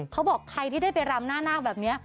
เขาบอกใครที่ได้ไปรำหน้านาคแบบนี้